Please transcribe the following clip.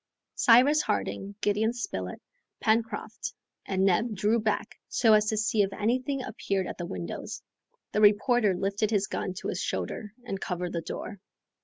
Cyrus Harding, Gideon Spilett, Pencroft, and Neb drew back, so as to see if anything appeared at the windows. The reporter lifted his gun to his shoulder and covered the door.